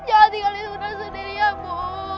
jangan tinggal di sana sendirian bu